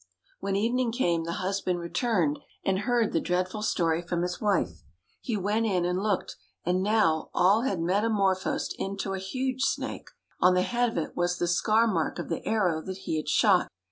When evening came the husband returned and heard the dreadful story from his wife. He went in and looked, and now all had metamorphosed into a huge snake. On the head of it was the scar mark of the arrow that he had shot.